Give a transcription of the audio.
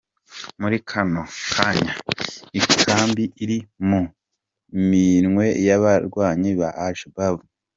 Muri kano kanya, ikambi iri mu minwe y’abarwanyi ba Al-Shabab.